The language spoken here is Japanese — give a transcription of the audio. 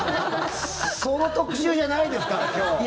その特集じゃないですから今日。